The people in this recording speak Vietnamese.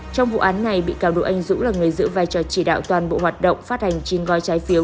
trong vụ án này bị cáo độ anh dũng là người giữ vai trò chỉ đạo toàn bộ hoạt động phát hành chín gói trái phiếu